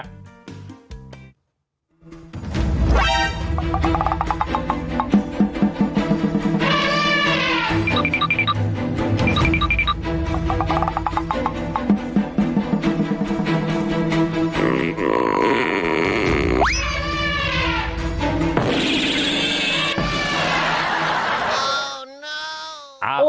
อีฟ